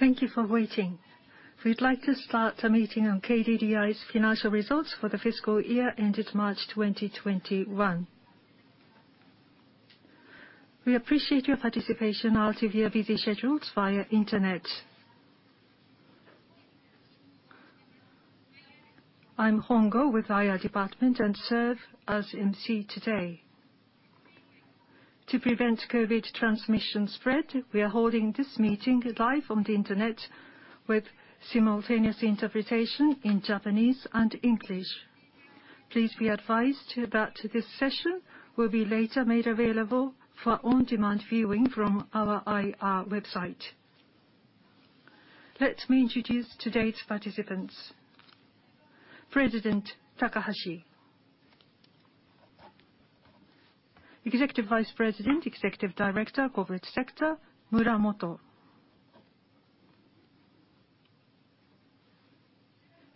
Thank you for waiting. We'd like to start the meeting on KDDI's financial results for the fiscal year ended March 2021. We appreciate your participation out of your busy schedules via internet. I'm Hongou with IR department and serve as emcee today. To prevent COVID transmission spread, we are holding this meeting live on the internet with simultaneous interpretation in Japanese and English. Please be advised that this session will be later made available for on-demand viewing from our IR website. Let me introduce today's participants. President Takahashi. Executive Vice President, Executive Director, Corporate Sector, Muramoto.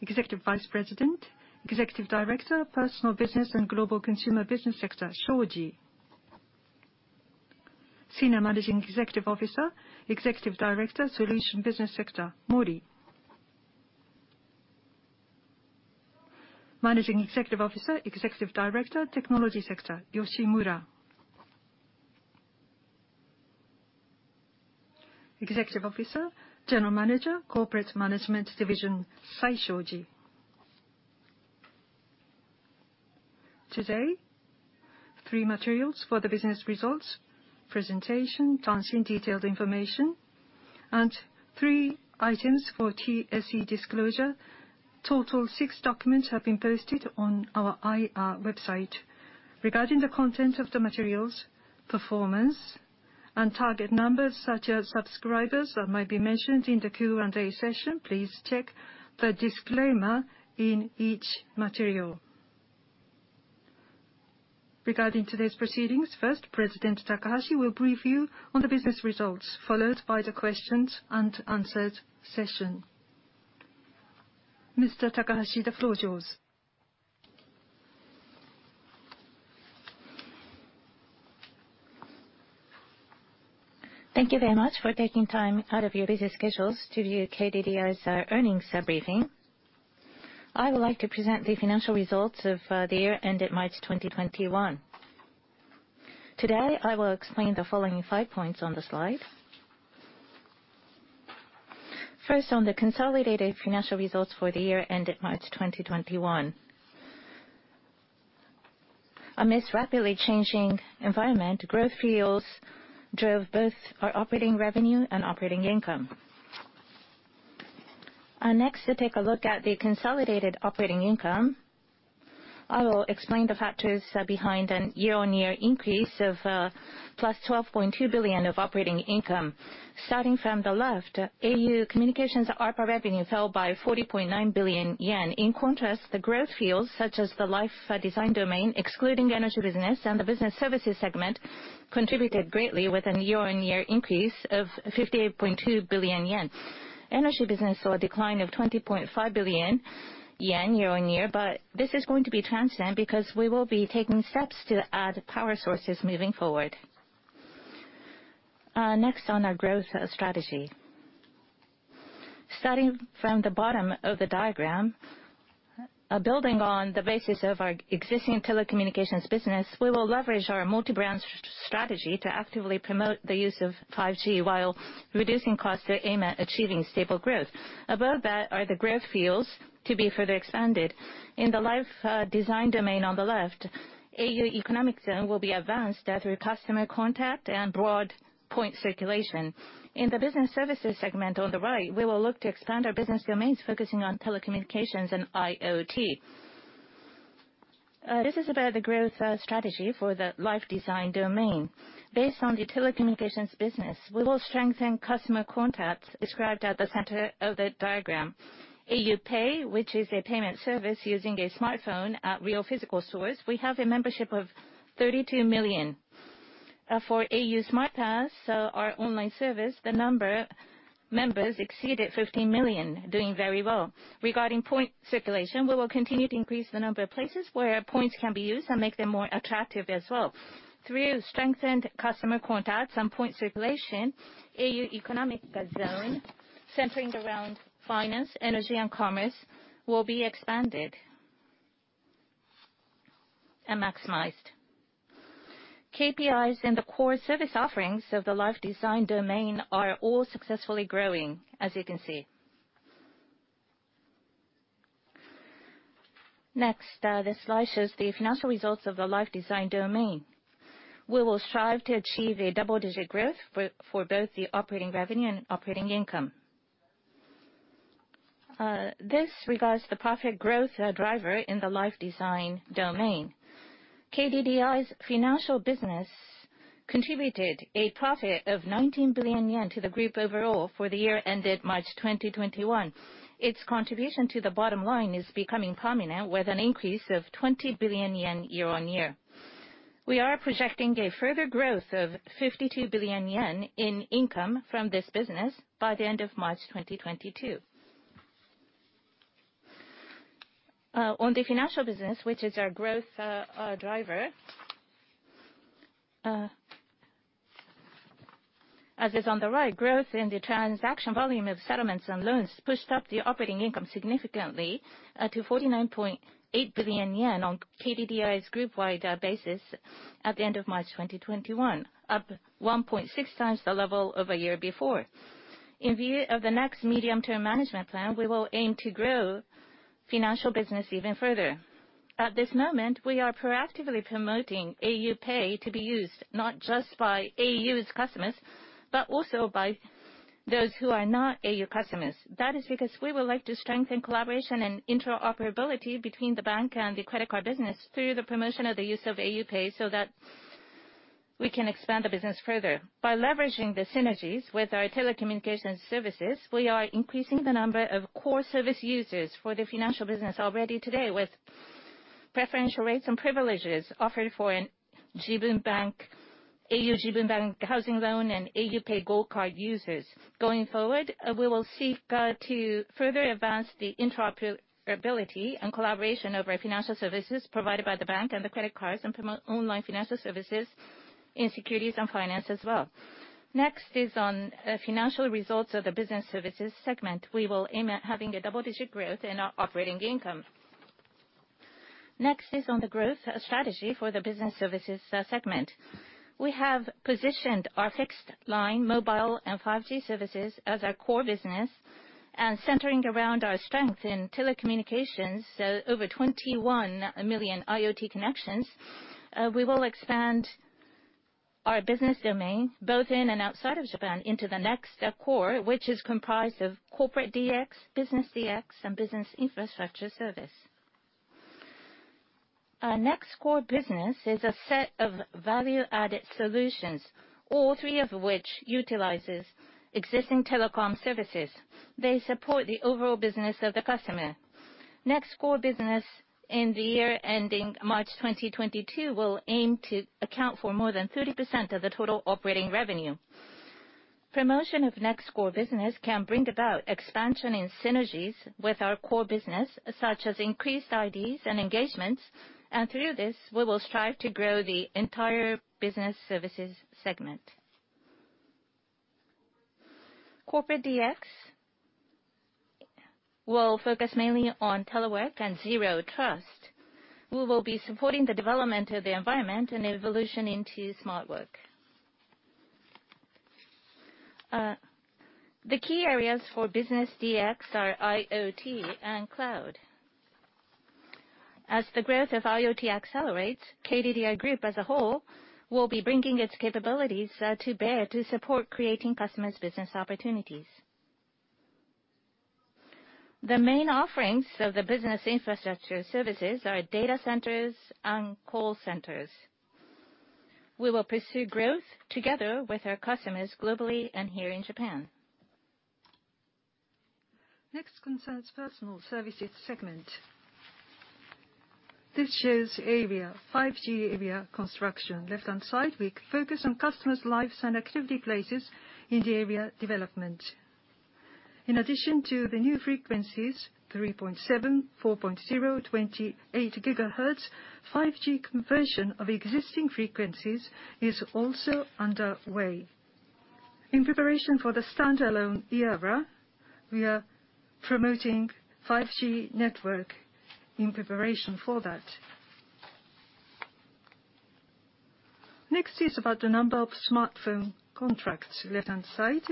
Executive Vice President, Executive Director, Personal Business and Global Consumer Business Sector, Shoji. Senior Managing Executive Officer, Executive Director, Solution Business Sector, Mori. Managing Executive Officer, Executive Director, Technology Sector, Yoshimura. Executive Officer, General Manager, Corporate Management Division, Saishoji. Today, three materials for the business results presentation, and detailed information, and three items for TSE disclosure. Total of six documents have been posted on our IR website. Regarding the content of the materials, performance, and target numbers such as subscribers that might be mentioned in the Q&A session, please check the disclaimer in each material. Regarding today's proceedings, first, President Takahashi will brief you on the business results, followed by the questions and answers session. Mr. Takahashi, the floor is yours. Thank you very much for taking time out of your busy schedules to view KDDI's earnings briefing. I would like to present the financial results of the year ended March 2021. Today, I will explain the following five points on the slide. First, on the consolidated financial results for the year ended March 2021. Amidst a rapidly changing environment, growth fields drove both our operating revenue and operating income. Next, to take a look at the consolidated operating income, I will explain the factors behind a year-on-year increase of plus 12.2 billion of operating income. Starting from the left, au communications ARPA revenue fell by 40.9 billion yen. In contrast, the growth fields such as the life design domain, excluding energy business and the Business Services segment, contributed greatly with a year-on-year increase of 58.2 billion yen. Energy business saw a decline of 20.5 billion yen year-on-year, this is going to be transient because we will be taking steps to add power sources moving forward. On our growth strategy. Starting from the bottom of the diagram, building on the basis of our existing telecommunications business, we will leverage our multi-brand strategy to actively promote the use of 5G while reducing costs to aim at achieving stable growth. Above that are the growth fields to be further expanded. In the life design domain on the left, au Economic Zone will be advanced through customer contact and broad point circulation. In the Business Services segment on the right, we will look to expand our business domains focusing on telecommunications and IoT. This is about the growth strategy for the life design domain. Based on the telecommunications business, we will strengthen customer contacts described at the center of the diagram. au PAY, which is a payment service using a smartphone at real physical stores, we have a membership of 32 million. For au Smart Pass, our online service, the number of members exceeded 15 million, doing very well. Regarding point circulation, we will continue to increase the number of places where points can be used and make them more attractive as well. Through strengthened customer contacts and point circulation, au Economic Zone, centering around finance, energy, and commerce, will be expanded and maximized. KPIs in the core service offerings of the life design domain are all successfully growing, as you can see. Next, this slide shows the financial results of the life design domain. We will strive to achieve a double-digit growth for both the operating revenue and operating income. This regards the profit growth driver in the life design domain. KDDI's financial business contributed a profit of 19 billion yen to the group overall for the year ended March 2021. Its contribution to the bottom line is becoming prominent with an increase of 20 billion yen year-on-year. We are projecting a further growth of 52 billion yen in income from this business by the end of March 2022. On the financial business, which is our growth driver, as is on the right, growth in the transaction volume of settlements and loans pushed up the operating income significantly to 49.8 billion yen on KDDI's group-wide basis at the end of March 2021, up 1.6 times the level of a year before. In view of the next medium-term management plan, we will aim to grow financial business even further. At this moment, we are proactively promoting au PAY to be used not just by au's customers, but also by those who are not au customers. That is because we would like to strengthen collaboration and interoperability between the bank and the credit card business through the promotion of the use of au PAY so that we can expand the business further. By leveraging the synergies with our telecommunications services, we are increasing the number of core service users for the financial business already today with preferential rates and privileges offered for an au Jibun Bank housing loan and au PAY Gold Card users. Going forward, we will seek to further advance the interoperability and collaboration of our financial services provided by the bank and the credit cards and promote online financial services in securities and finance as well. Next is on financial results of the Business Services segment. We will aim at having a double-digit growth in our operating income. Next is on the growth strategy for the Business Services segment. We have positioned our fixed-line mobile and 5G services as our core business, and centering around our strength in telecommunications, so over 21 million IoT connections. We will expand our business domain both in and outside of Japan into the Next Core, which is comprised of Corporate DX, Business DX, and business infrastructure service. Our Next Core Business is a set of value-added solutions, all three of which utilizes existing telecom services. They support the overall business of the customer. Next Core Business in the year ending March 2022 will aim to account for more than 30% of the total operating revenue. Promotion of Next Core Business can bring about expansion in synergies with our core business, such as increased IDs and engagements. Through this, we will strive to grow the entire Business Services segment. Corporate DX will focus mainly on telework and zero-trust. We will be supporting the development of the environment and evolution into smart work. The key areas for Business DX are IoT and cloud. As the growth of IoT accelerates, KDDI Group as a whole will be bringing its capabilities to bear to support creating customers' business opportunities. The main offerings of the business infrastructure services are data centers and call centers. We will pursue growth together with our customers globally and here in Japan. Next concerns Personal Services segment. This shows area, 5G area construction. Left-hand side, we focus on customers' lives and activity places in the area development. In addition to the new frequencies, 3.7, 4.0, 28 GHz, 5G conversion of existing frequencies is also underway. In preparation for the standalone era, we are promoting 5G network in preparation for that. Next is about the number of smartphone contracts, left-hand side.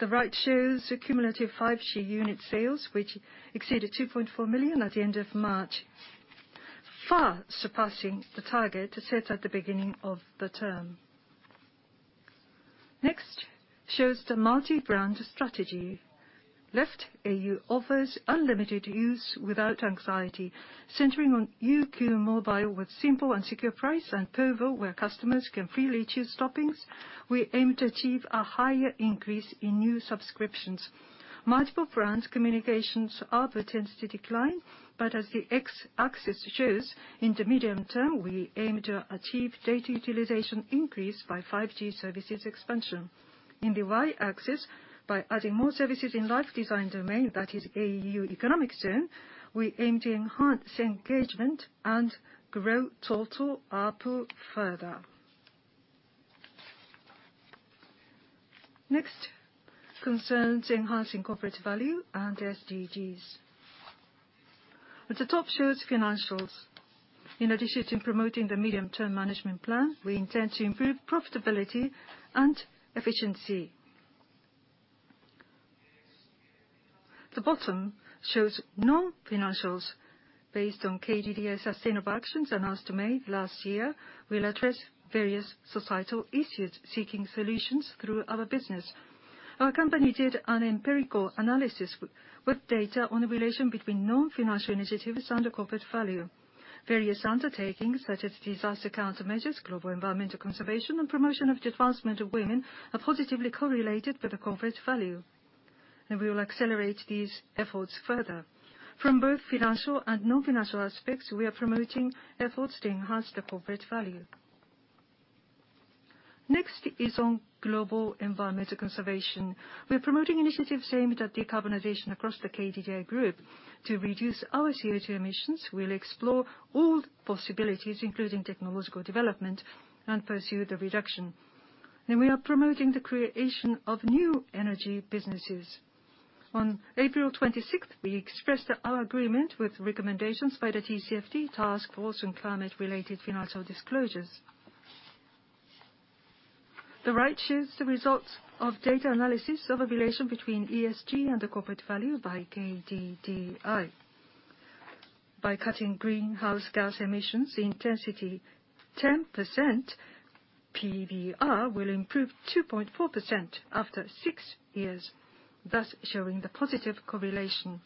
The right shows the cumulative 5G unit sales, which exceeded 2.4 million at the end of March, far surpassing the target set at the beginning of the term. Next shows the multi-brand strategy. Left, au offers unlimited use without anxiety. Centering on UQ mobile with simple and secure price and povo, where customers can freely choose toppings, we aim to achieve a higher increase in new subscriptions. Multiple brands communications ARPU tends to decline. As the X-axis shows, in the medium term, we aim to achieve data utilization increase by 5G services expansion. In the Y-axis, by adding more services in life design domain, that is au Economic Zone, we aim to enhance engagement and grow total ARPU further. Concerns enhancing corporate value and SDGs. The top shows financials. In addition to promoting the medium-term management plan, we intend to improve profitability and efficiency. The bottom shows non-financials based on KDDI Sustainable Action announced May last year. We'll address various societal issues, seeking solutions through our business. Our company did an empirical analysis with data on the relation between non-financial initiatives and the corporate value. Various undertakings such as disaster countermeasures, global environmental conservation, and promotion of the advancement of women are positively correlated with the corporate value, and we will accelerate these efforts further. From both financial and non-financial aspects, we are promoting efforts to enhance the corporate value. Next is on global environmental conservation. We're promoting initiatives aimed at decarbonization across the KDDI Group. To reduce our CO2 emissions, we'll explore all possibilities, including technological development, and pursue the reduction. We are promoting the creation of new energy businesses. On April 26th, we expressed our agreement with recommendations by the TCFD task force on climate-related financial disclosures. The right shows the results of data analysis of a relation between ESG and the corporate value by KDDI. By cutting greenhouse gas emissions intensity 10%, PBR will improve 2.4% after six years, thus showing the positive correlation.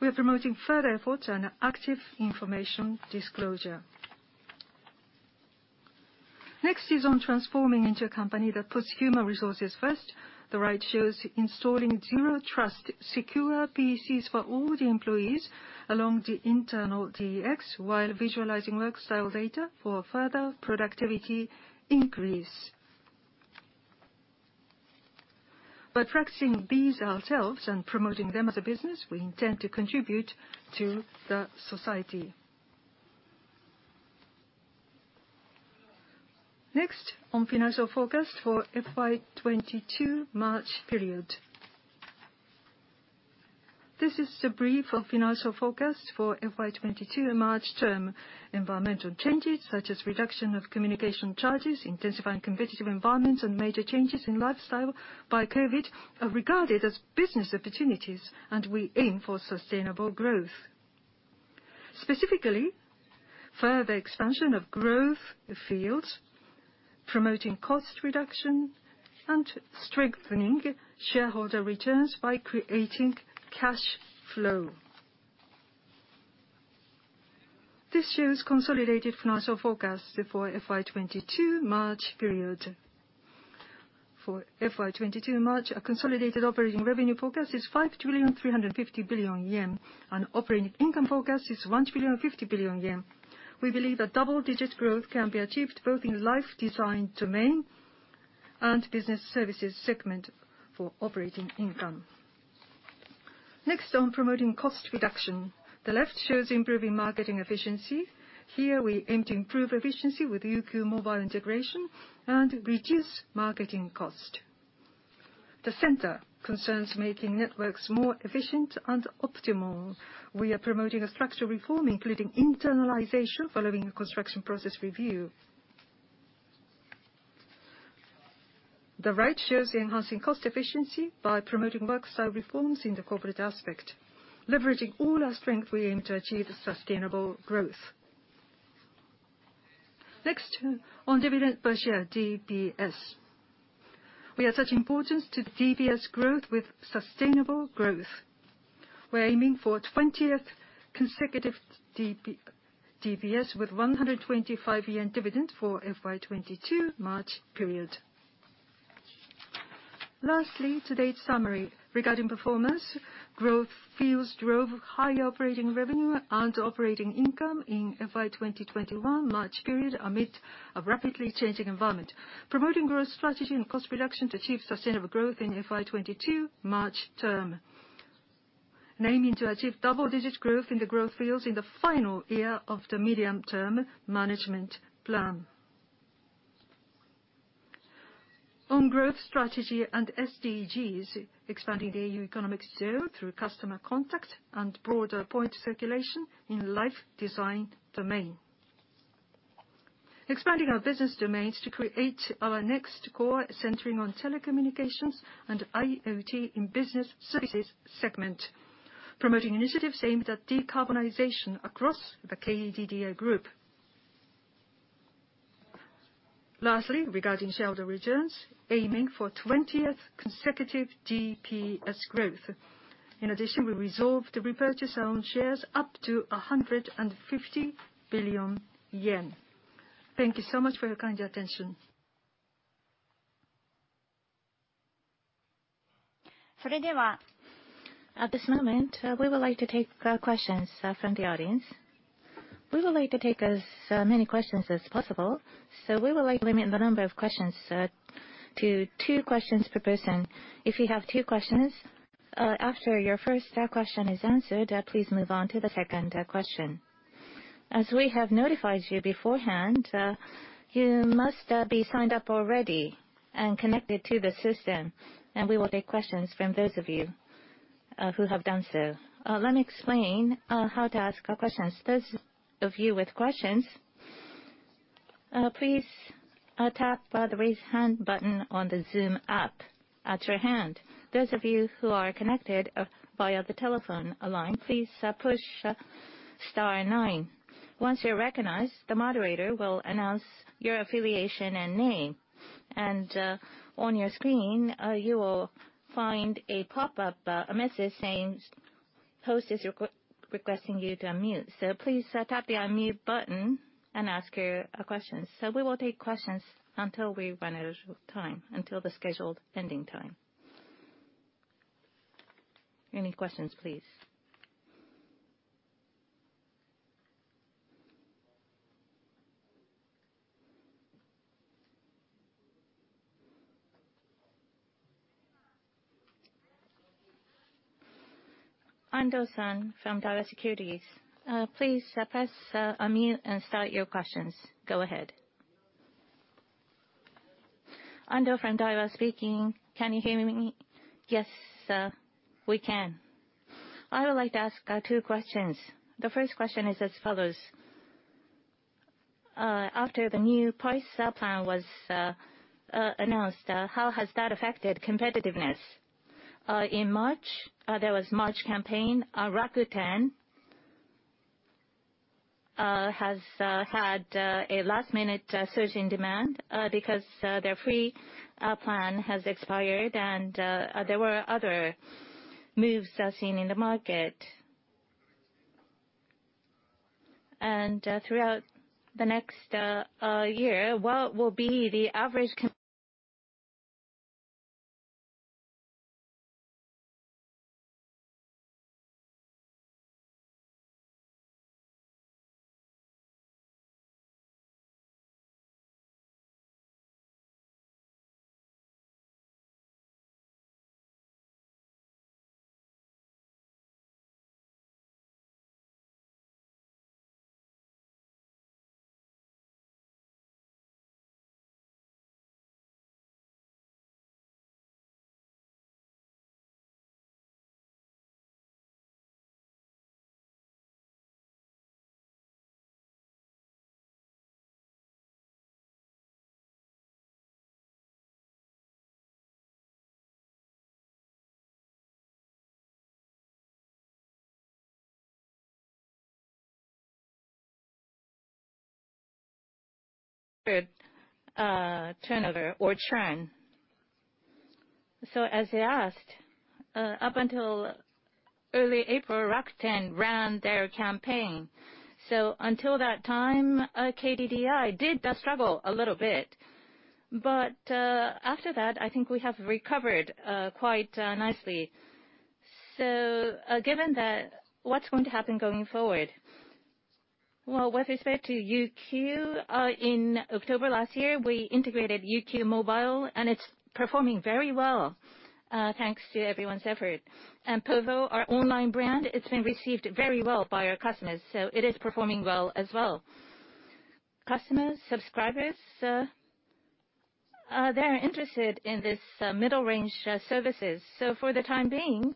We are promoting further efforts and active information disclosure. Transforming into a company that puts human resources first. The right shows installing zero-trust secure PCs for all the employees along the internal DX, while visualizing work style data for further productivity increase. By practicing these ourselves and promoting them as a business, we intend to contribute to the society. Financial forecast for FY 2022 March period. This is the brief financial forecast for FY 2022 March term. Environmental changes such as reduction of communication charges, intensifying competitive environments, and major changes in lifestyle by COVID are regarded as business opportunities, and we aim for sustainable growth. Specifically, further expansion of growth fields, promoting cost reduction, and strengthening shareholder returns by creating cash flow. This shows consolidated financial forecast for FY 2022 March period. For FY 2022 March, a consolidated operating revenue forecast is 5,350 billion yen. An operating income forecast is 1.05 trillion. We believe that double-digit growth can be achieved both in life design domain and Business Services segment for operating income. Next, on promoting cost reduction. The left shows improving marketing efficiency. Here, we aim to improve efficiency with UQ mobile integration and reduce marketing cost. The center concerns making networks more efficient and optimal. We are promoting a structural reform, including internalization following a construction process review. The right shows enhancing cost efficiency by promoting work style reforms in the corporate aspect. Leveraging all our strength, we aim to achieve sustainable growth. Next, on dividend per share, DPS. We attach importance to DPS growth with sustainable growth. We're aiming for 20th consecutive DPS with 125 yen dividend for FY 2022 March period. Lastly, today's summary. Regarding performance, growth fields drove higher operating revenue and operating income in FY 2021 March period amid a rapidly changing environment. Promoting growth strategy and cost reduction to achieve sustainable growth in FY 2022 March term. Aiming to achieve double-digit growth in the growth fields in the final year of the medium-term management plan. On growth strategy and SDGs, expanding the economic sphere through customer contact and broader point circulation in life design domain. Expanding our business domains to create our next core centering on telecommunications and IoT in Business Services segment. Promoting initiatives aimed at decarbonization across the KDDI Group. Lastly, regarding shareholder returns, aiming for 20th consecutive DPS growth. In addition, we resolved to repurchase our own shares up to 150 billion yen. Thank you so much for your kind attention. At this moment, we would like to take questions from the audience. We would like to take as many questions as possible, so we would like to limit the number of questions to two questions per person. If you have two questions, after your first question is answered, please move on to the second question. As we have notified you beforehand, you must be signed up already and connected to the system, and we will take questions from those of you who have done so. Let me explain how to ask a question. Those of you with questions, please tap the raise hand button on the Zoom app at your hand. Those of you who are connected via the telephone line, please push star nine. Once you're recognized, the moderator will announce your affiliation and name. On your screen, you will find a pop-up message saying, "Host is requesting you to unmute." Please tap the unmute button and ask your question. We will take questions until we run out of time, until the scheduled ending time. Any questions, please? Ando from Daiwa Securities, please press unmute and start your questions. Go ahead. Ando from Daiwa speaking. Can you hear me? Yes, we can. I would like to ask two questions. The first question is as follows. After the new price plan was announced, how has that affected competitiveness? In March, there was March campaign. Rakuten has had a last-minute surge in demand because their free plan has expired, and there were other moves as seen in the market. Throughout the next year, what will be the average turnover or churn. As you asked, up until early April, Rakuten ran their campaign. Until that time, KDDI did struggle a little bit. After that, I think we have recovered quite nicely. Given that, what's going to happen going forward? Well, with respect to UQ, in October last year, we integrated UQ mobile, and it's performing very well, thanks to everyone's effort. Povo, our online brand, it's been received very well by our customers, so it is performing well as well. Customer subscribers, they're interested in this middle-range services. For the time being,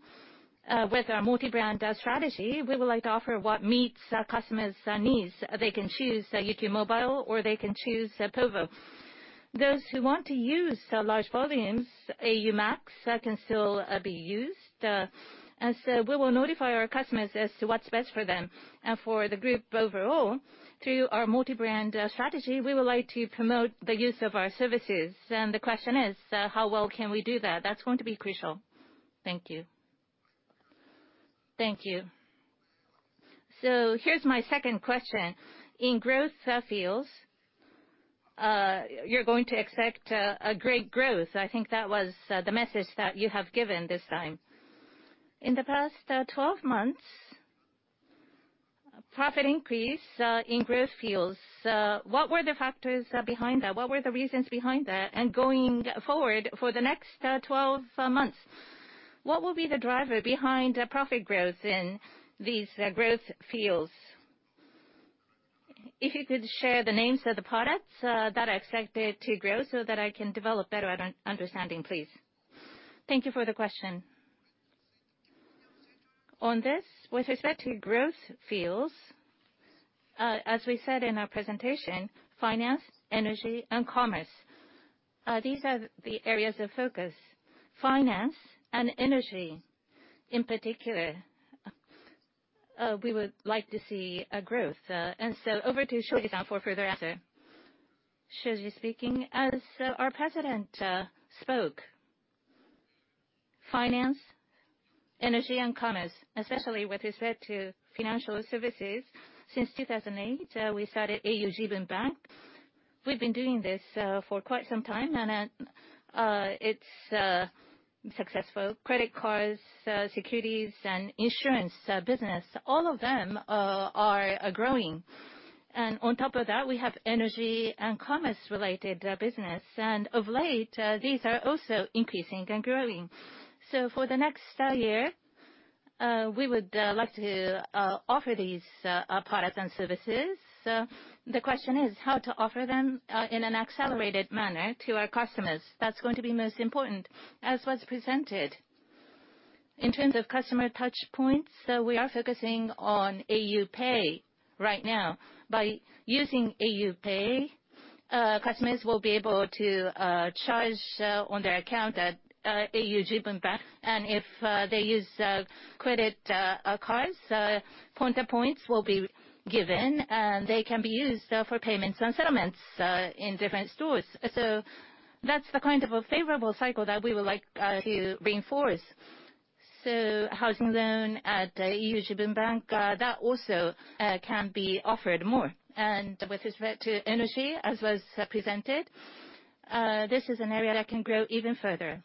with our multi-brand strategy, we would like to offer what meets our customer's needs. They can choose UQ mobile, or they can choose povo. Those who want to use large volumes, au MAX can still be used. We will notify our customers as to what's best for them. For the group overall, through our multi-brand strategy, we would like to promote the use of our services. The question is, how well can we do that? That's going to be crucial. Thank you. Thank you. Here's my second question. In growth fields, you're going to expect a great growth. I think that was the message that you have given this time. In the past 12 months, profit increase in growth fields, what were the factors behind that? What were the reasons behind that? Going forward for the next 12 months, what will be the driver behind profit growth in these growth fields? If you could share the names of the products that are expected to grow so that I can develop better understanding, please. Thank you for the question. On this, with respect to growth fields, as we said in our presentation, finance, energy, and commerce, these are the areas of focus. Finance and energy in particular, we would like to see a growth. Over to Shoji-san for further answer. Shoji speaking. As our president spoke, finance, energy, and commerce, especially with respect to financial services, since 2008, we started au Jibun Bank. We've been doing this for quite some time, and it's successful. Credit cards, securities, and insurance business, all of them are growing. On top of that, we have energy and commerce-related business. Of late, these are also increasing and growing. For the next year, we would like to offer these products and services. The question is how to offer them in an accelerated manner to our customers. That's going to be most important. As was presented, in terms of customer touchpoints, we are focusing on au PAY right now. By using au PAY, customers will be able to charge on their account at au Jibun Bank. If they use credit cards, Ponta points will be given, and they can be used for payments and settlements in different stores. That's the kind of a favorable cycle that we would like to reinforce. Housing loan at au Jibun Bank, that also can be offered more. With respect to energy, as was presented, this is an area that can grow even further.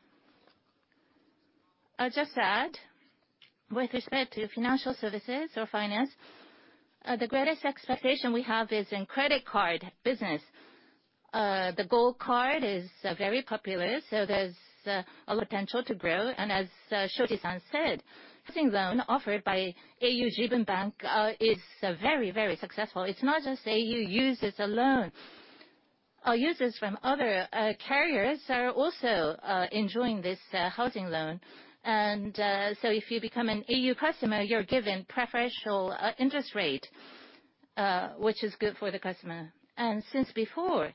I'll just add, with respect to financial services or finance, the greatest expectation we have is in credit card business. The Gold Card is very popular, so there's a potential to grow. As Shoji-san said, housing loan offered by au Jibun Bank is very, very successful. It's not just au users alone. Our users from other carriers are also enjoying this housing loan. If you become an au customer, you're given preferential interest rate, which is good for the customer. Since before,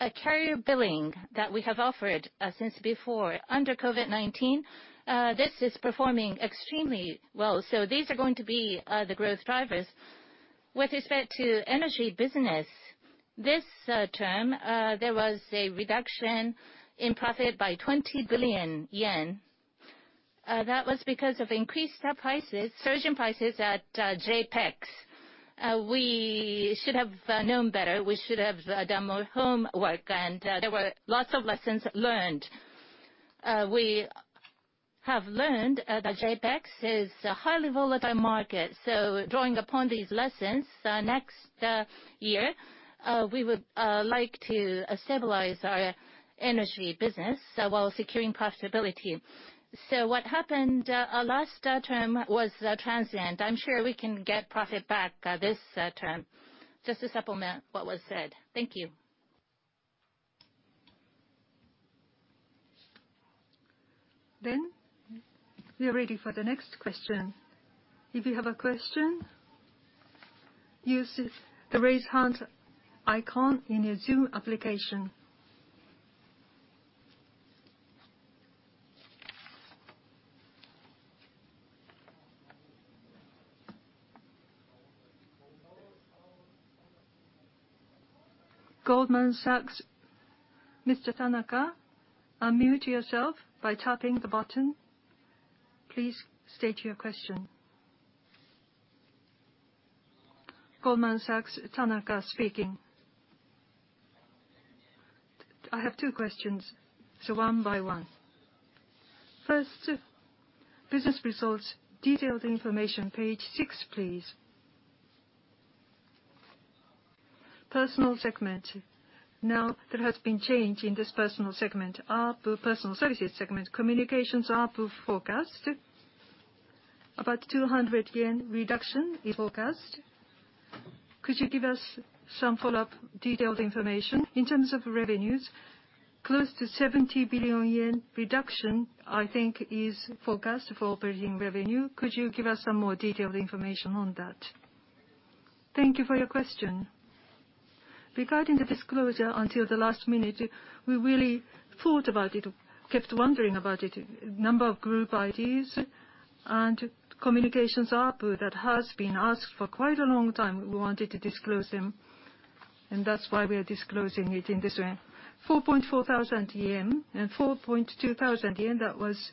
a carrier billing that we have offered since before under COVID-19, this is performing extremely well. These are going to be the growth drivers. With respect to energy business, this term, there was a reduction in profit by 20 billion yen. That was because of increased prices, surging prices at JEPX. We should have known better. We should have done more homework, and there were lots of lessons learned. We have learned that JEPX is a highly volatile market. Drawing upon these lessons, next year, we would like to stabilize our energy business while securing profitability. What happened last term was transient. I'm sure we can get profit back this term. Just to supplement what was said. Thank you. We are ready for the next question. If you have a question, use the raise hand icon in your Zoom application. Goldman Sachs, Mr. Tanaka, unmute yourself by tapping the button. Please state your question. Goldman Sachs, Tanaka speaking. I have two questions, one by one. First, business results, detailed information, page six, please. Personal Services segment. There has been change in this Personal Services segment, ARPU Personal Services segment, communications ARPU forecast. About 200 yen reduction in forecast. Could you give us some follow-up detailed information? In terms of revenues, close to 70 billion yen reduction, I think, is forecast for operating revenue. Could you give us some more detailed information on that? Thank you for your question. Regarding the disclosure, until the last minute, we really thought about it, kept wondering about it. Number of group IDs and communications ARPU that has been asked for quite a long time. We wanted to disclose them, that's why we are disclosing it in this way. 4,400 yen and 4,200 yen, that was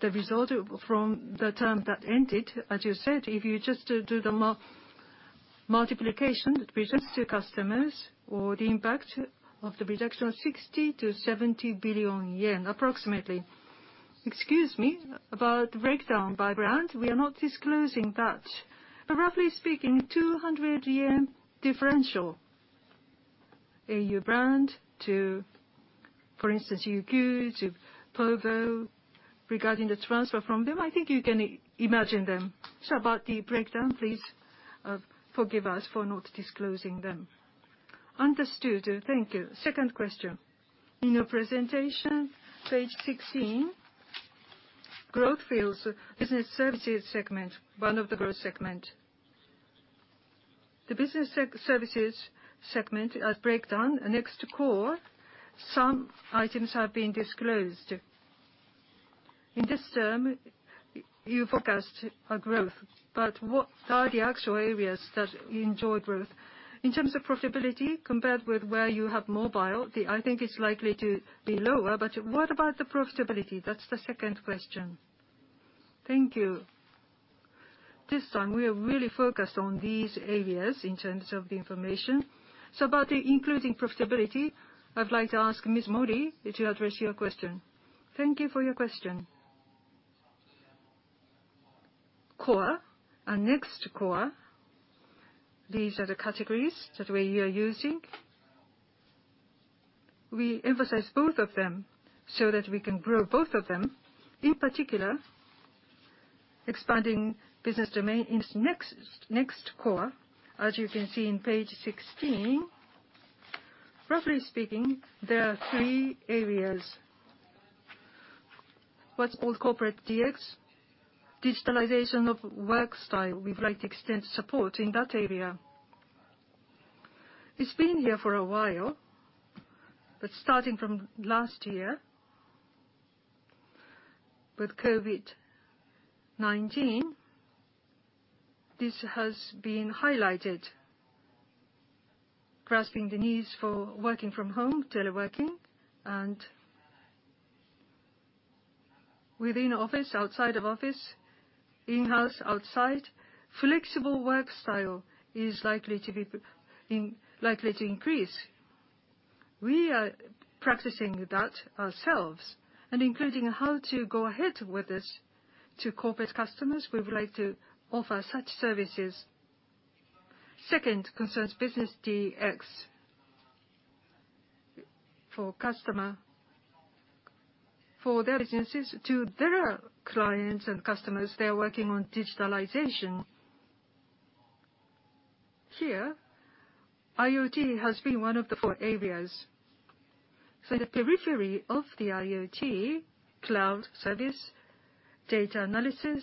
the result from the term that ended. As you said, if you just do the multiplication with business to customers or the impact of the reduction of 60 billion-70 billion yen, approximately. Excuse me. Breakdown by brand, we are not disclosing that. Roughly speaking, 200 yen differential au brand to, for instance, UQ, to povo. Regarding the transfer from them, I think you can imagine them. About the breakdown, please forgive us for not disclosing them. Understood. Thank you. Second question. In your presentation, page 16, growth fields, Business Services segment, one of the growth segment. The Business Services segment as breakdown, next to core, some items have been disclosed. In this term, you forecast a growth. What are the actual areas that you enjoy growth? In terms of profitability, compared with where you have mobile, I think it's likely to be lower. What about the profitability? That's the second question. Thank you. This time, we are really focused on these areas in terms of the information. About the including profitability, I'd like to ask Keiichi Mori to address your question. Thank you for your question. Core and next core, these are the categories that we are using. We emphasize both of them so that we can grow both of them. In particular, expanding business domain in next core. As you can see in page 16, roughly speaking, there are three areas. What's called Corporate DX, digitalization of work style. We'd like to extend support in that area. It's been here for a while, but starting from last year, with COVID-19, this has been highlighted. Grasping the needs for working from home, teleworking, and within office, outside of office, in-house, outside. Flexible work style is likely to increase. We are practicing that ourselves, including how to go ahead with this to corporate customers. We would like to offer such services. Second concerns Business DX. For their businesses to their clients and customers, they're working on digitalization. Here, IoT has been one of the four areas. The periphery of the IoT, cloud service, data analysis,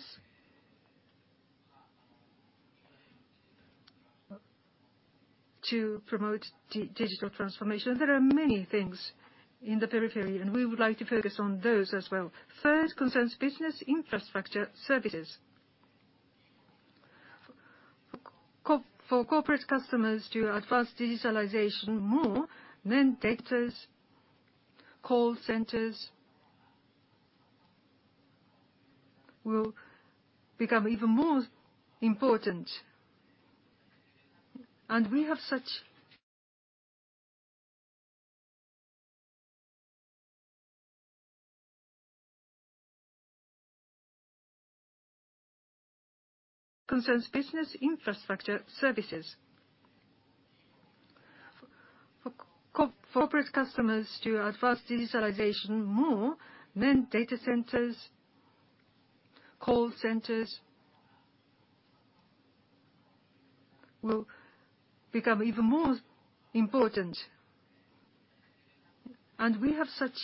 to promote digital transformation, there are many things in the periphery, and we would like to focus on those as well. First concerns business infrastructure services. For corporate customers to advance digitalization more than data centers, call centers will become even more important. We have such Concerns business infrastructure services. For corporate customers to advance digitalization more than data centers, call centers will become even more important. We have such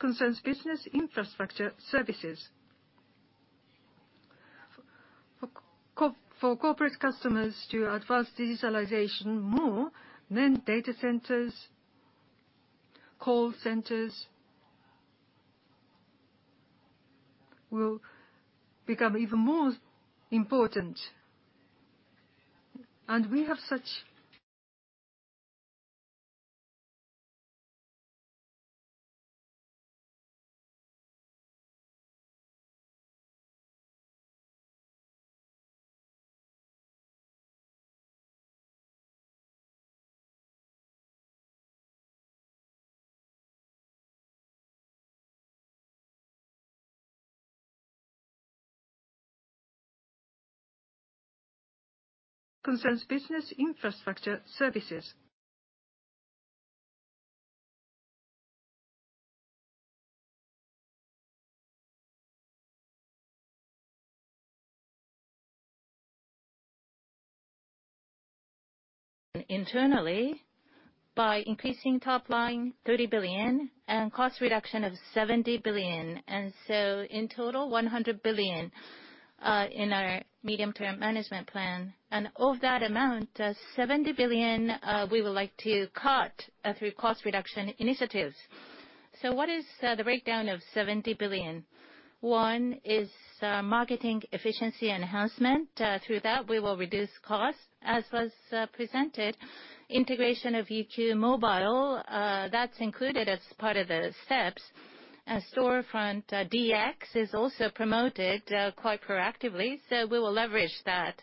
core business infrastructure services. Internally by increasing top line 30 billion and cost reduction of 70 billion. In total, 100 billion, in our medium term management plan. Of that amount, 70 billion, we would like to cut through cost reduction initiatives. What is the breakdown of 70 billion? One is marketing efficiency enhancement. Through that, we will reduce costs. As was presented, integration of UQ mobile, that's included as part of the steps. Storefront DX is also promoted quite proactively, so we will leverage that.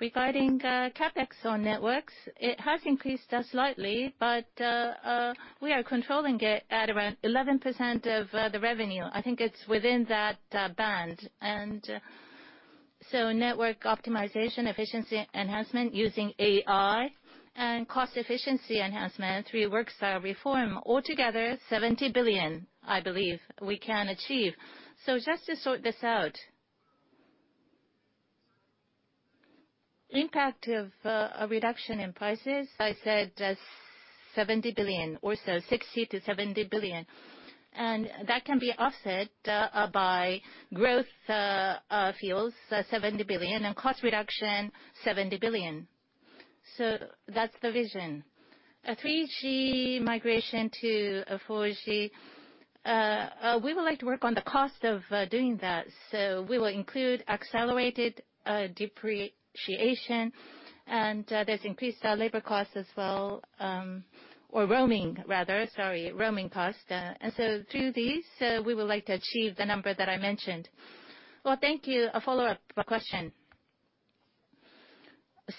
Regarding CapEx on networks, it has increased slightly, but we are controlling it at around 11% of the revenue. I think it's within that band. Network optimization, efficiency enhancement using AI, and cost efficiency enhancement through work style reform. Altogether, 70 billion, I believe we can achieve. Just to sort this out. Impact of a reduction in prices, I said 70 billion or so, 60 billion-70 billion. That can be offset by growth fields, 70 billion, and cost reduction, 70 billion. So that's the vision. 3G migration to 4G, we would like to work on the cost of doing that. We will include accelerated depreciation, there's increased labor cost as well, or roaming cost. Through these, we would like to achieve the number that I mentioned. Well, thank you. A follow-up question.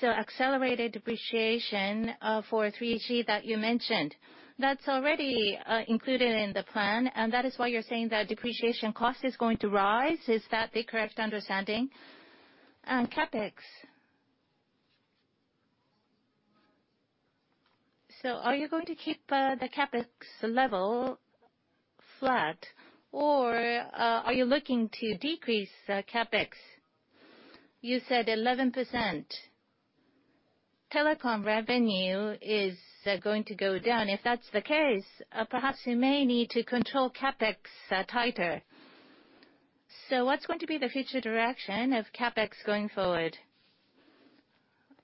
Accelerated depreciation for 3G that you mentioned, that's already included in the plan, and that is why you're saying that depreciation cost is going to rise. Is that the correct understanding? CapEx. Are you going to keep the CapEx level flat, or are you looking to decrease CapEx? You said 11%. Telecom revenue is going to go down. If that's the case, perhaps you may need to control CapEx tighter. What's going to be the future direction of CapEx going forward?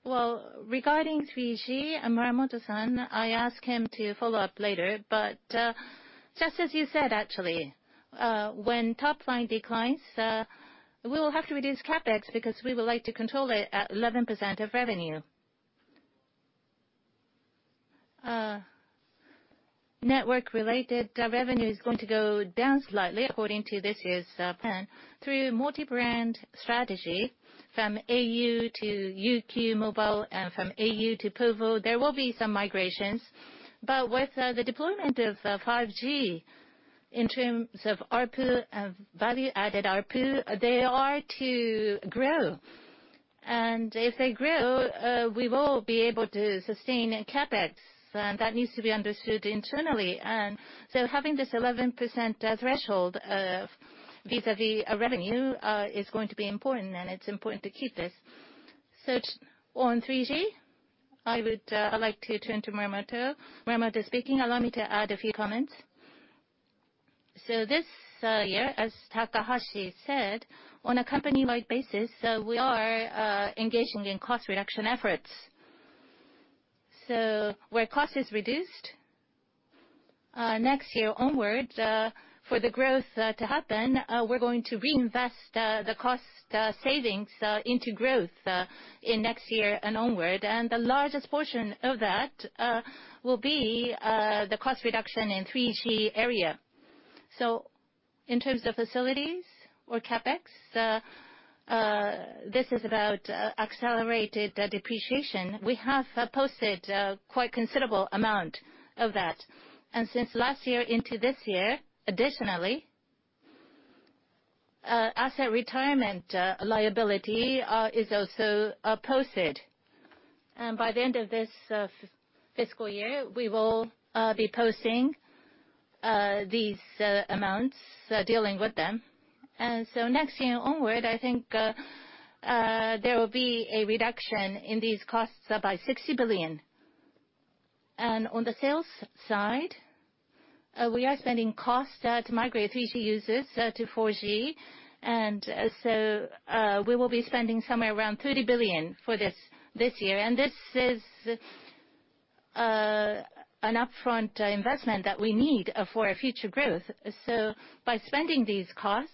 Well, regarding 3G, Muramoto-san, I ask him to follow up later. Just as you said, actually, when top-line declines, we will have to reduce CapEx because we would like to control it at 11% of revenue. Network-related revenue is going to go down slightly according to this year's plan. Through multi-brand strategy, from au to UQ mobile and from au to povo, there will be some migrations. With the deployment of 5G, in terms of ARPU and value-added ARPU, they are to grow. If they grow, we will be able to sustain CapEx. That needs to be understood internally. Having this 11% threshold vis-à-vis revenue is going to be important, and it's important to keep this. On 3G, I would like to turn to Muramoto. Muramoto speaking. Allow me to add a few comments. This year, as Takahashi said, on a company-wide basis, we are engaging in cost reduction efforts. Where cost is reduced, next year onwards, for the growth to happen, we're going to reinvest the cost savings into growth in next year and onward. The largest portion of that will be the cost reduction in 3G area. In terms of facilities or CapEx, this is about accelerated depreciation. We have posted quite considerable amount of that. Since last year into this year, additionally, asset retirement liability is also posted. By the end of this fiscal year, we will be posting these amounts, dealing with them. Next year onward, I think there will be a reduction in these costs by 60 billion. On the sales side, we are spending cost to migrate 3G users to 4G. We will be spending somewhere around 30 billion for this year. This is an upfront investment that we need for our future growth. By spending these costs,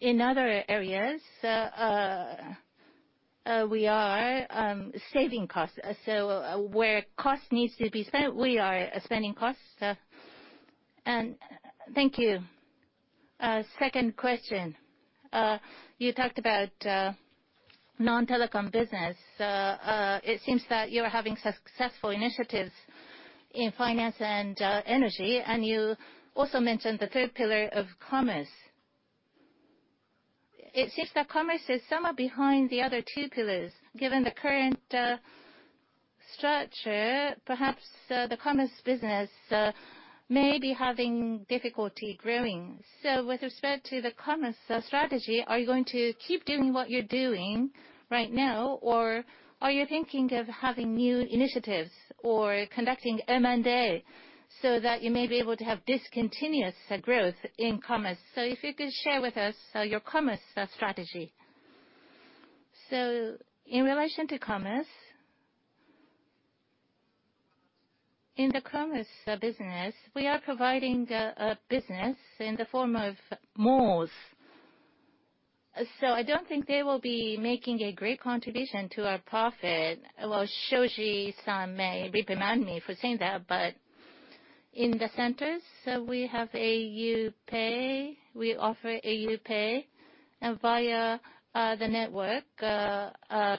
in other areas, we are saving costs. Where cost needs to be spent, we are spending costs. Thank you. Second question. You talked about non-telecom business. It seems that you are having successful initiatives in finance and energy, and you also mentioned the third pillar of commerce. It seems that commerce is somewhat behind the other two pillars. Given the current structure, perhaps the commerce business may be having difficulty growing. With respect to the commerce strategy, are you going to keep doing what you're doing right now, or are you thinking of having new initiatives or conducting M&A so that you may be able to have discontinuous growth in commerce? If you could share with us your commerce strategy. In relation to commerce, in the commerce business, we are providing a business in the form of malls. I don't think they will be making a great contribution to our profit. Well, Shoji-san may reprimand me for saying that, but in the centers, we have au PAY, we offer au PAY. Via the network,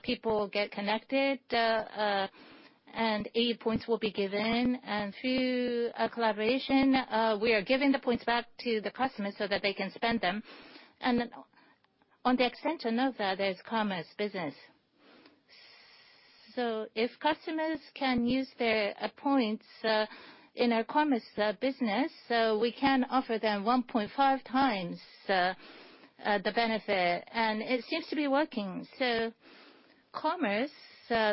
people get connected, and au points will be given. Through a collaboration, we are giving the points back to the customers so that they can spend them. On the extension of that, there's commerce business. If customers can use their points in our commerce business, we can offer them 1.5 times the benefit. It seems to be working. Commerce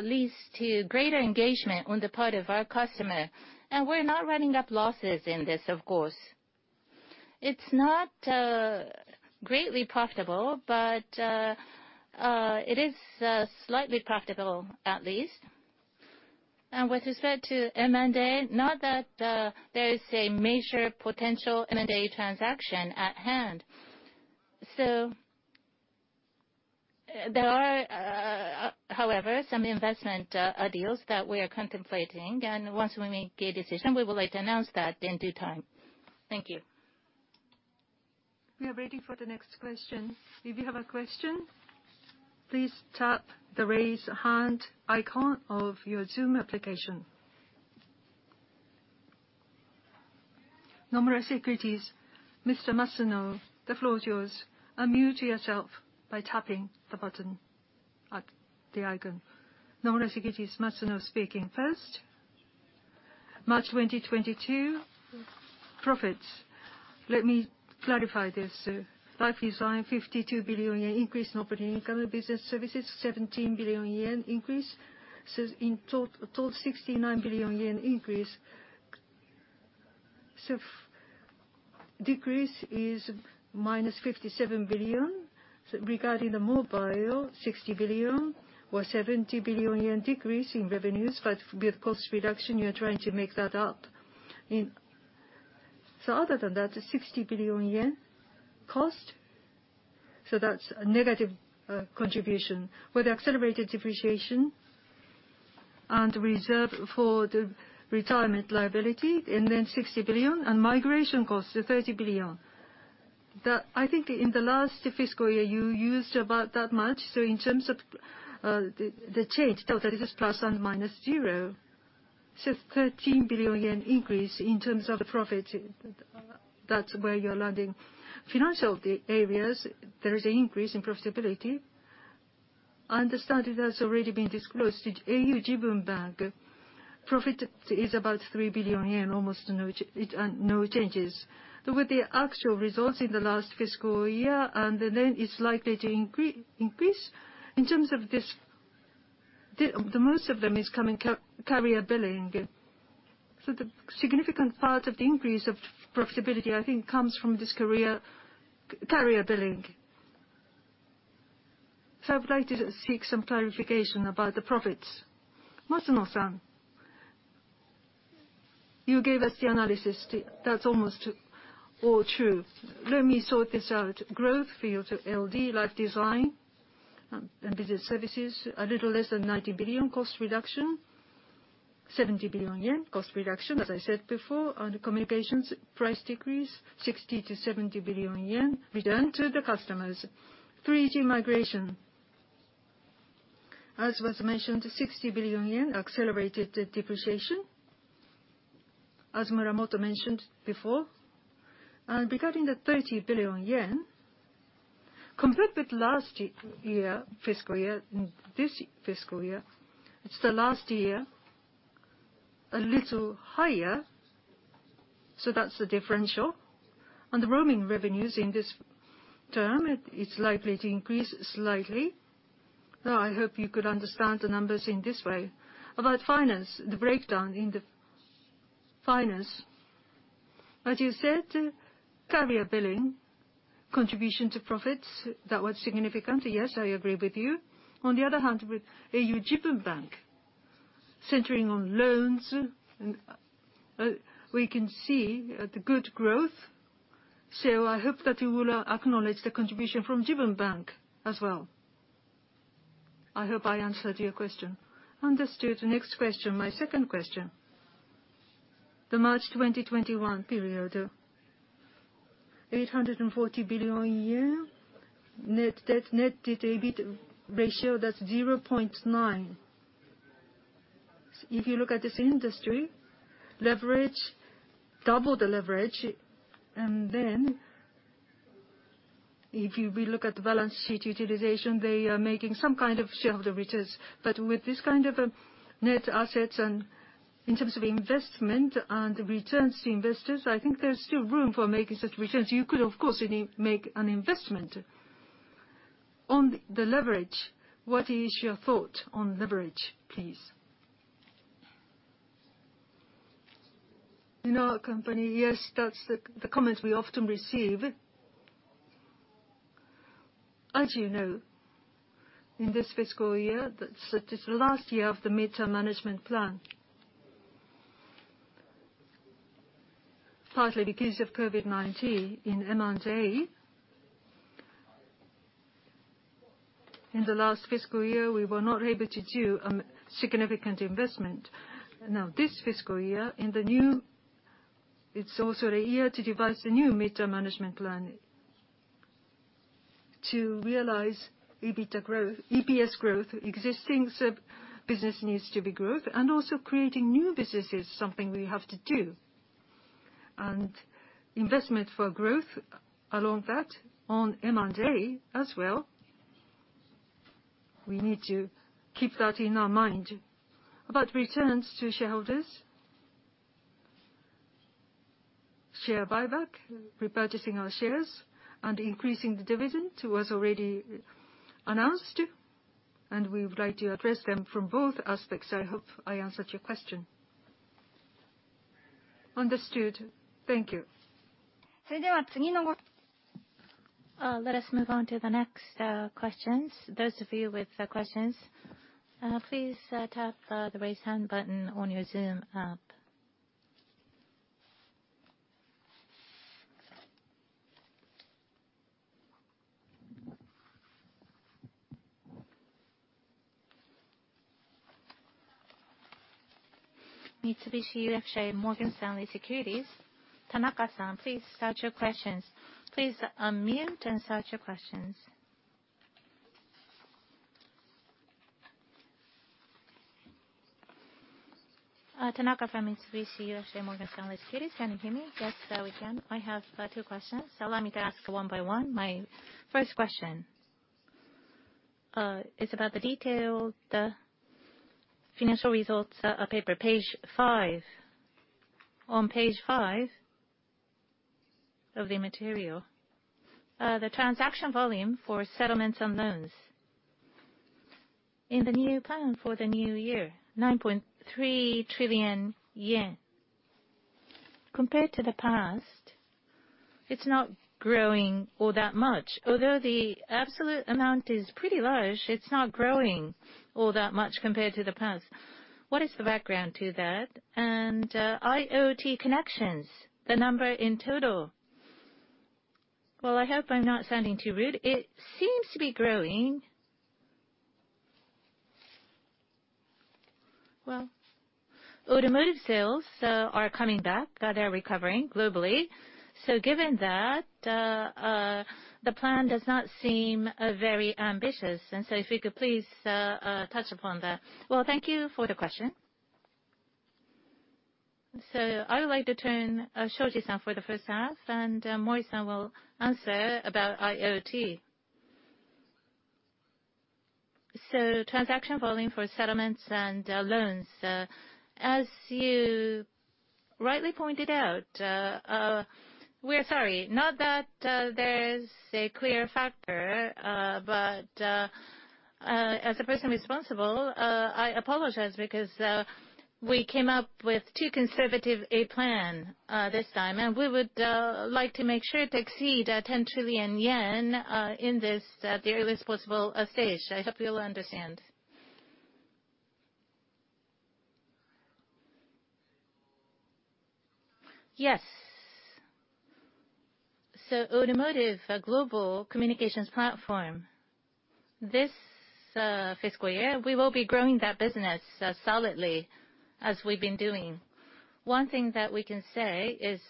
leads to greater engagement on the part of our customer. We're not running up losses in this, of course. It's not greatly profitable, but it is slightly profitable at least. With respect to M&A, not that there is a major potential M&A transaction at hand. There are, however, some investment deals that we are contemplating, and once we make a decision, we would like to announce that in due time. Thank you. We are waiting for the next question. If you have a question, please tap the raise hand icon of your Zoom application. Nomura Securities, Mr. Masuno, the floor is yours. Unmute yourself by tapping the button at the icon. Nomura Securities, Masuno speaking. First, March 2022 profits. Let me clarify this. Life Design, JPY 52 billion increase in operating income. Business services, JPY 17 billion increase. In total, JPY 69 billion increase. Decrease is -57 billion. Regarding the mobile, 60 billion or 70 billion decrease in revenues, but with cost reduction, you're trying to make that up. Other than that, the 60 billion yen cost, so that's a negative contribution with accelerated depreciation and reserve for the retirement liability, and then 60 billion and migration cost, 30 billion. I think in the last fiscal year, you used about that much. In terms of the change delta, this is plus and minus zero. 13 billion yen increase in terms of the profit, that's where you're landing. Financial areas, there is an increase in profitability. I understand it has already been disclosed. The au Jibun Bank profit is about 3 billion yen, almost no changes. With the actual results in the last fiscal year, and then it's likely to increase. In terms of this, the most of them is coming carrier billing. The significant part of the increase of profitability, I think, comes from this carrier billing. I would like to seek some clarification about the profits. Masuno-san, you gave us the analysis. That's almost all true. Let me sort this out. Growth field, LD, Life Design, and Business Services, a little less than 90 billion cost reduction, 70 billion yen cost reduction, as I said before, and communications price decrease, 60 billion-70 billion yen return to the customers. 3G migration, as was mentioned, 60 billion yen. Accelerated depreciation, as Muramoto mentioned before. Regarding the 30 billion yen, compared with last fiscal year and this fiscal year, it's the last year, a little higher, so that's the differential. The roaming revenues in this term, it's likely to increase slightly. I hope you could understand the numbers in this way. About finance, the breakdown in the finance. As you said, carrier billing contribution to profits, that was significant. Yes, I agree with you. With au Jibun Bank, centering on loans, we can see the good growth. I hope that you will acknowledge the contribution from Jibun Bank as well. I hope I answered your question. Understood. Next question, my second question. The March 2021 period, 840 billion a year. Net debt, net debt to EBITDA ratio, that's 0.9. If you look at this industry, leverage, double the leverage, if we look at the balance sheet utilization, they are making some kind of shareholder returns. With this kind of net assets and in terms of investment and returns to investors, I think there's still room for making such returns. You could, of course, make an investment. On the leverage, what is your thought on leverage, please? In our company, yes, that's the comment we often receive. As you know, in this fiscal year, that is the last year of the midterm management plan. Partly because of COVID-19 in M&A. In the last fiscal year, we were not able to do a significant investment. This fiscal year, it's also the year to devise a new midterm management plan to realize EPS growth. Existing business needs to be grown, and also creating new business is something we have to do. Investment for growth along that on M&A as well, we need to keep that in our mind. About returns to shareholders, share buyback, repurchasing our shares and increasing the dividend to what's already announced. We would like to address them from both aspects. I hope I answered your question. Understood. Thank you. Let us move on to the next questions. Those of you with questions, please tap the Raise Hand button on your Zoom app. Mitsubishi UFJ Morgan Stanley Securities, Tanaka-san, please start your questions. Please unmute and start your questions. Tanaka from Mitsubishi UFJ Morgan Stanley Securities. Can you hear me? Yes, we can. I have two questions. Allow me to ask one by one. My first question is about the detailed financial results paper, page five. On page five of the material, the transaction volume for settlements and loans in the new plan for the new year, 9.3 trillion yen. Compared to the past, it's not growing all that much. Although the absolute amount is pretty large, it's not growing all that much compared to the past. What is the background to that? IoT connections, the number in total. I hope I'm not sounding too rude, it seems to be growing. Automotive sales are coming back. They are recovering globally. Given that, the plan does not seem very ambitious. If we could please touch upon that. Thank you for the question. I would like to turn to Shoji-san for the first half, and Mori-san will answer about IoT. Transaction volume for settlements and loans. As you rightly pointed out, we're sorry, not that there's a clear factor, but as a person responsible, I apologize because we came up with too conservative a plan this time, and we would like to make sure to exceed JPY 10 trillion in this at the earliest possible stage. I hope you will understand. Yes. Automotive global communications platform. This fiscal year, we will be growing that business solidly as we've been doing. One thing that we can say is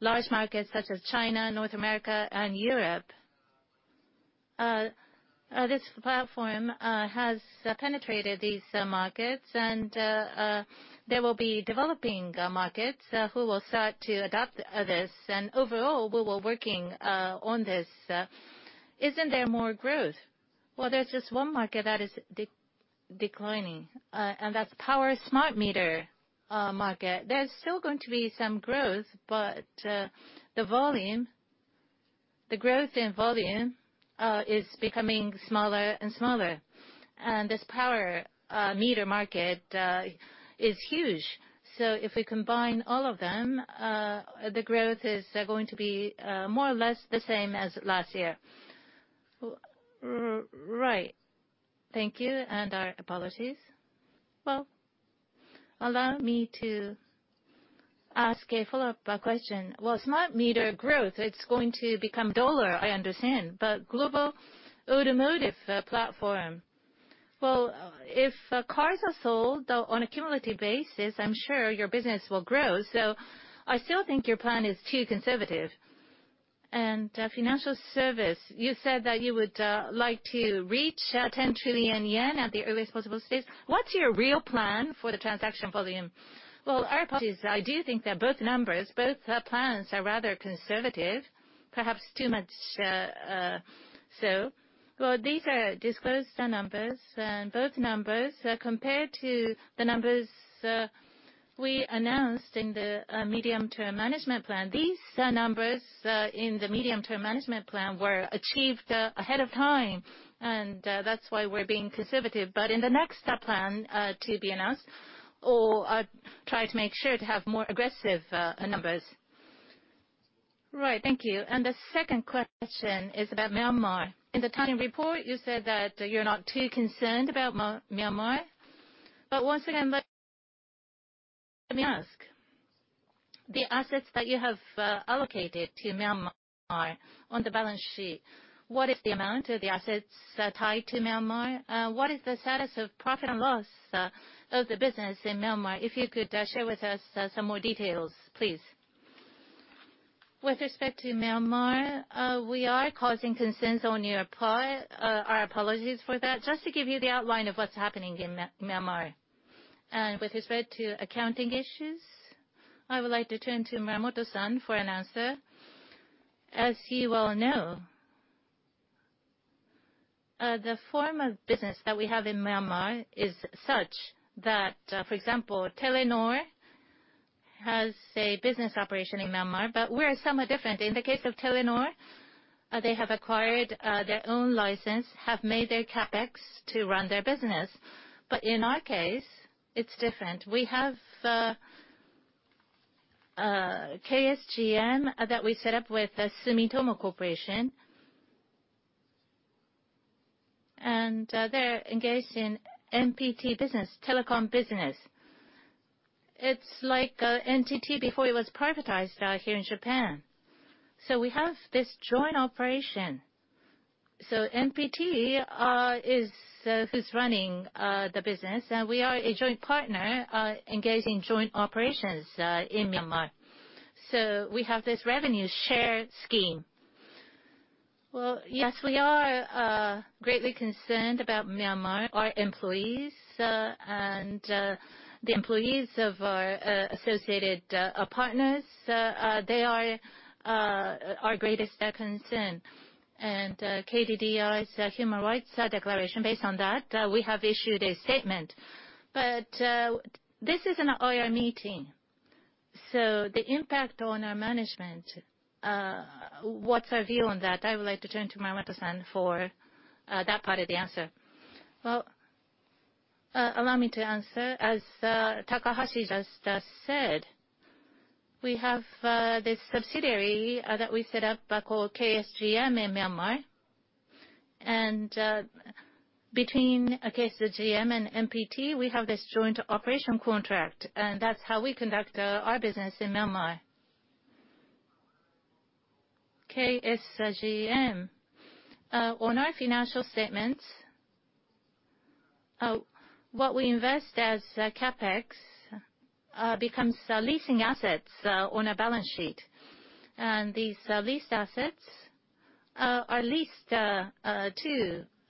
large markets such as China, North America, and Europe, this platform has penetrated these markets and there will be developing markets who will start to adopt this. Overall, we were working on this. Isn't there more growth? Well, there's just one market that is declining, and that's power smart meter market. There's still going to be some growth, but the growth in volume is becoming smaller and smaller. This power meter market is huge. So if we combine all of them, the growth is going to be more or less the same as last year. Right. Thank you, and our apologies. Well, allow me to ask a follow-up question. Well, smart meter growth, it's going to become duller, I understand. Global automotive platform. Well, if cars are sold on a cumulative basis, I'm sure your business will grow, so I still think your plan is too conservative. Financial service, you said that you would like to reach 10 trillion yen at the earliest possible stage. What's your real plan for the transaction volume? Well, our apologies. I do think that both numbers, both plans are rather conservative, perhaps too much so. Well, these are disclosed numbers, and both numbers, compared to the numbers we announced in the medium-term management plan, these numbers in the medium-term management plan were achieved ahead of time, and that's why we're being conservative. In the next plan to be announced, or try to make sure to have more aggressive numbers. Right. Thank you. The second question is about Myanmar. In the company report, you said that you're not too concerned about Myanmar. Once again, let me ask. The assets that you have allocated to Myanmar on the balance sheet, what is the amount of the assets tied to Myanmar? What is the status of profit and loss of the business in Myanmar? If you could share with us some more details, please. With respect to Myanmar, we are causing concerns on your part. Our apologies for that. Just to give you the outline of what's happening in Myanmar. With respect to accounting issues, I would like to turn to Muramoto-san for an answer. As you well know, the form of business that we have in Myanmar is such that, for example, Telenor has a business operation in Myanmar, but we're somewhat different. In the case of Telenor, they have acquired their own license, have made their CapEx to run their business. In our case, it's different. We have KSGM, that we set up with Sumitomo Corporation. They're engaged in MPT business, telecom business. It's like NTT before it was privatized here in Japan. We have this joint operation. MPT is who's running the business, and we are a joint partner engaged in joint operations in Myanmar. We have this revenue share scheme. Yes, we are greatly concerned about Myanmar. Our employees and the employees of our associated partners, they are our greatest concern. KDDI's Human Rights Declaration, based on that, we have issued a statement. This is an IR meeting. The impact on our management, what's our view on that? I would like to turn to Muramoto for that part of the answer. Allow me to answer. As Takahashi just said, we have this subsidiary that we set up called KSGM in Myanmar. Between KSGM and MPT, we have this joint operation contract, and that's how we conduct our business in Myanmar. KSGM. On our financial statements, what we invest as CapEx becomes leasing assets on a balance sheet. These leased assets are leased to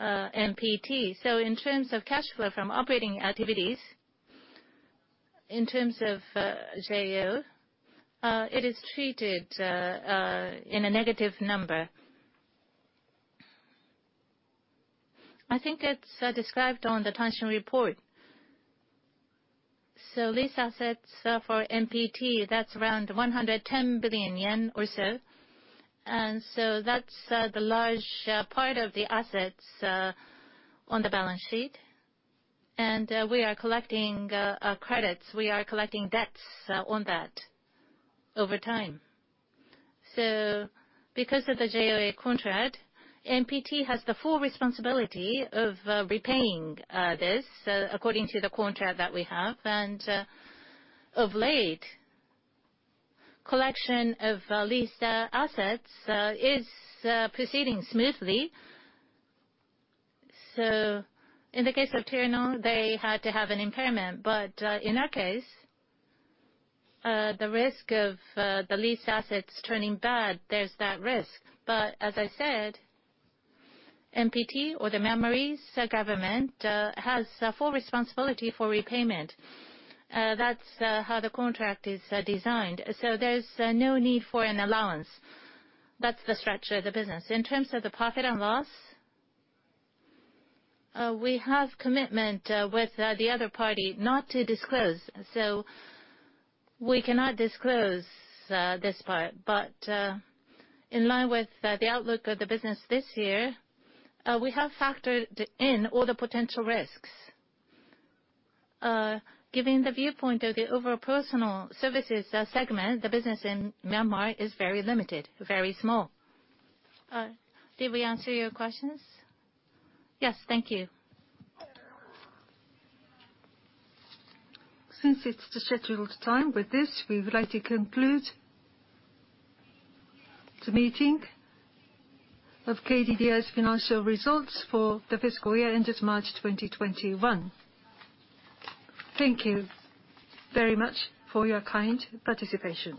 MPT. In terms of cash flow from operating activities, in terms of JOA, it is treated in a negative number. I think it's described on the financial report. Leased assets for MPT, that's around 110 billion yen or so. That's the large part of the assets on the balance sheet. We are collecting credits. We are collecting debts on that over time. Because of the JOA contract, MPT has the full responsibility of repaying this, according to the contract that we have. Of late, collection of leased assets is proceeding smoothly. In the case of Telenor, they had to have an impairment. In our case, the risk of the leased assets turning bad, there's that risk. As I said, MPT or the Burmese government has full responsibility for repayment. That's how the contract is designed. There's no need for an allowance. That's the structure of the business. In terms of the profit and loss, we have commitment with the other party not to disclose, so we cannot disclose this part. In line with the outlook of the business this year, we have factored in all the potential risks. Given the viewpoint of the overall Personal Services segment, the business in Myanmar is very limited, very small. Did we answer your questions? Yes. Thank you. Since it's the scheduled time, with this, we would like to conclude the meeting of KDDI's financial results for the fiscal year ended March 2021. Thank you very much for your kind participation.